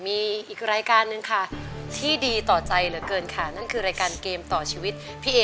มีอีกรายการหนึ่งค่ะที่ดีต่อใจเหลือเกินค่ะนั่นคือรายการเกมต่อชีวิตพี่เอ๋